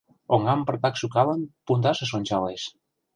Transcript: Оҥам пыртак шӱкалын, пундашыш ончалеш.